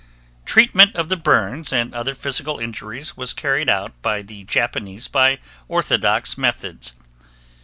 Treatment of the burns and other physical injuries was carried out by the Japanese by orthodox methods.